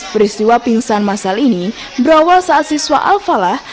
peristiwa pingsan masal ini berawal saat siswa alfa lah